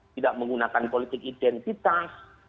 tidak menggunakan politik identitas